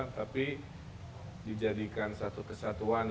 tapi dijadikan satu kesatuan